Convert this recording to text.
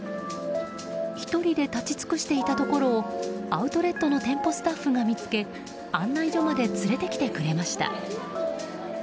１人で立ち尽くしていたところをアウトレットの店舗スタッフが見つけ案内所まで連れてきてくれました。